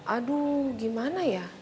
aduh gimana ya